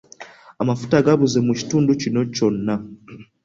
Amafuta gabuze mu kitundu kino kyonna.